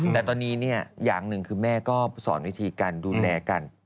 แต่ตอนนี้อย่างหนึ่งคือแม่ก็สอนวิธีการดูแลกัน